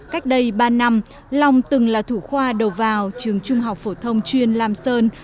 cách đây ba năm long từng là thủ khoa đầu vào trường trung học phổ thông chuyên lam sơn